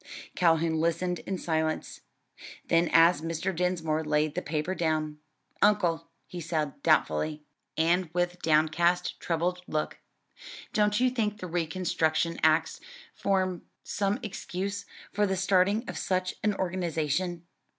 Calhoun listened in silence, then as Mr. Dinsmore laid the paper down, "Uncle," said he doubtfully, and with downcast troubled look, "don't you think the reconstruction acts form some excuse for the starting of such an organisation?"